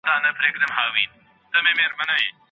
د سيمه ييزو توپيرونو سبب څه و؟